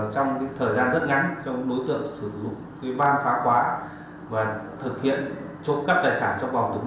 trong thời gian rất ngắn trong đối tượng sử dụng ban phá khóa và thực hiện trộm cắp tài sản trong vòng thứ ba